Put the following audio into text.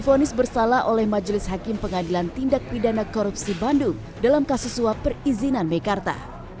fonis bersalah oleh majelis hakim pengadilan tindak pidana korupsi bandung dalam kasus suap perizinan mekarta